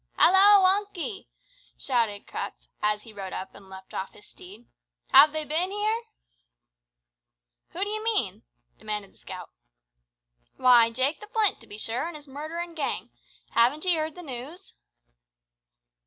"Hallo! Hunky," shouted Crux, as he rode up and leaped off his steed, "have they been here?" "Who d'ye mean?" demanded the scout. "Why, Jake the Flint, to be sure, an' his murderin' gang. Haven't ye heard the news?"